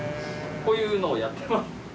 こういうのをやってます。